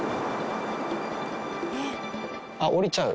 あっ、下りちゃう。